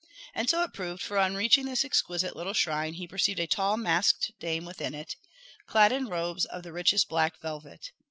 And so it proved; for on reaching this exquisite little shrine he perceived a tall masked dame within it, clad in robes of the richest black velvet.